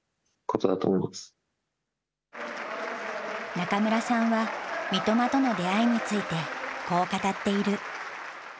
中村さんは、三笘との出会いについてこう語っている。